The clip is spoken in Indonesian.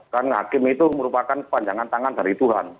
karena hakim itu merupakan sepanjangan tangan dari tuhan